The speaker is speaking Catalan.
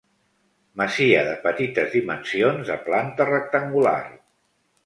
Masia de petites dimensions, de planta rectangular.